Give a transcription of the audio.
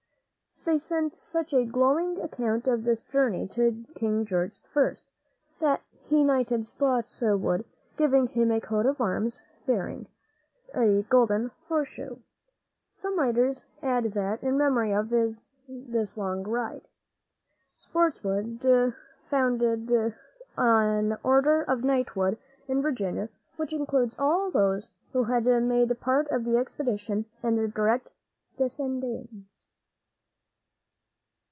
They sent such a glowing account of this journey to King George I. that he knighted Spotswood, giving him a coat of arms bearing a golden horseshoe. Some writers add that, in memory of this long ride, Spotswood founded an order of knighthood in Virginia, which included all those who had made part of the expedition, and their direct descendants.